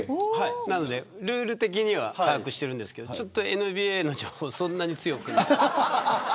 ルール的には把握してるんですけどＮＢＡの情報はそんなに強くない。